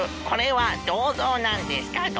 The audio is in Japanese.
これはどうぞうなんですか？